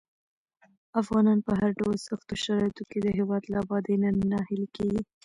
افغانان په هر ډول سختو شرايطو کې د هېواد له ابادۍ نه ناهیلي کېږي.